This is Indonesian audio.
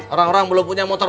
orang orang belum punya motor